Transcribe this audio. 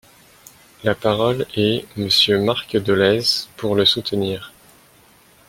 La parole est Monsieur Marc Dolez, pour le soutenir.